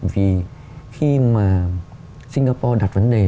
vì khi mà singapore đặt vấn đề